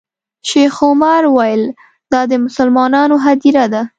شیخ عمر وویل دا د مسلمانانو هدیره ده.